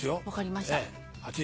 分かりました。